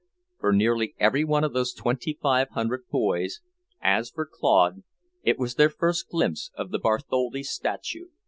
For nearly every one of those twenty five hundred boys, as for Claude, it was their first glimpse of the Bartholdi statue.